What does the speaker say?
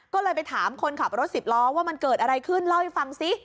ก็เลยไปถามคนขับรถสิบล้อว่ามันเกิดอะไรขึ้นเล่าให้ฟังซิ